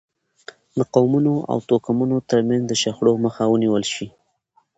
د قومونو او توکمونو ترمنځ د شخړو مخه ونیول شي.